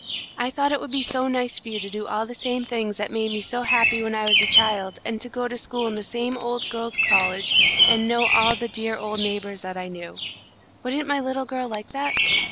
I thought it would be so nice for you to do all the same things that made me so happy when I was a child, and go to school in the same old Girls' College and know all the dear old neighbours that I knew. Wouldn't my little girl like that?"